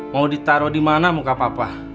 mau ditaro dimana muka papa